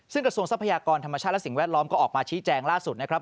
ซึ่งกระทรวงทรัพยากรธรรมชาติและสิ่งแวดล้อมก็ออกมาชี้แจงล่าสุดนะครับ